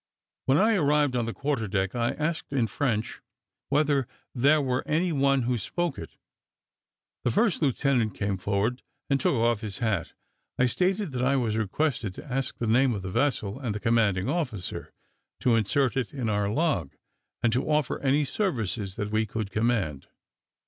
When I arrived on the quarter deck, I asked in French, whether there were any one who spoke it. The first lieutenant came forward, and took off his hat: I stated, that I was requested to ask the name of the vessel and the commanding officer, to insert it in our log, and to offer any services that we could command.